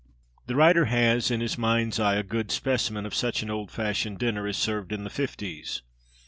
The writer has in his mind's eye a good specimen of such an old fashioned dinner, as served in the fifties.